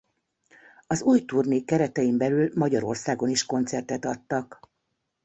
Az új turné keretein belül Magyarországon is koncertet adtak.